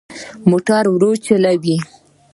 موټر ورو چلوئ